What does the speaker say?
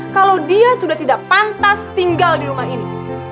kalau dia sudah tidak pantas tinggal di rumah ini